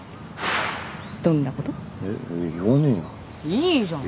いいじゃん。